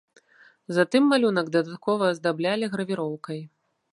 Затым малюнак дадаткова аздаблялі гравіроўкай.